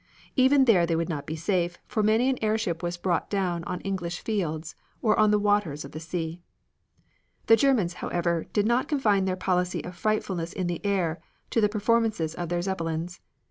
Even there they would not be safe, for many an airship was brought down on English fields, or on the waters of the sea. The Germans, however, did not confine their policy of frightfulness in the air to the performances of their Zeppelins.